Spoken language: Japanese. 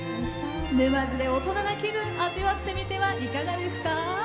沼津で大人の気分味わってみてはいかがですか？